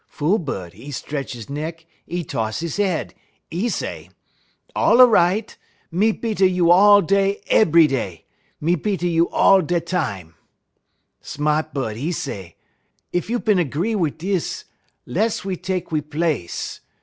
"Fool bud, 'e 'tretch 'e neck, 'e toss 'e head; 'e say: "'All a right; me beat a you all day ebry day. Me beat a you all da tam.' "Sma't bud, 'e say: "'Ef you bin 'gree wit' dis, less we tek we place.